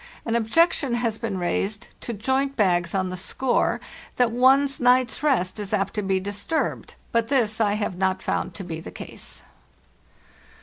An objection has been raised to joint bags on the score that one's night's rest is apt to be disturbed, but this I have not found to be the case.